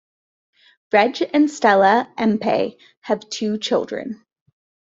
Reg and Stella Empey have two children.